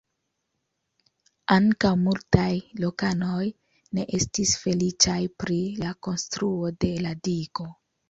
Ankaŭ multaj lokanoj ne estis feliĉaj pri la konstruo de la digo.